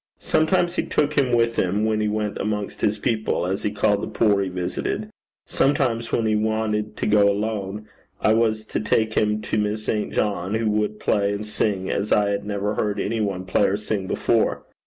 Sometimes he took him with him when he went amongst his people, as he called the poor he visited. Sometimes, when he wanted to go alone, I had to take him to Miss St. John, who would play and sing as I had never heard any one play or sing before.